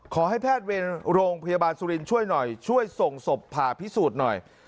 แพทย์เวรโรงพยาบาลสุรินทร์ช่วยหน่อยช่วยส่งศพผ่าพิสูจน์หน่อย